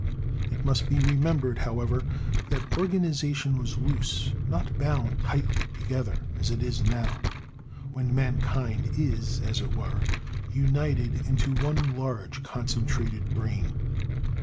It must be remem bered, however, that organization was loose, not bound tightly together as it is now, when mankind is, as it were, united into one large concentrated brain.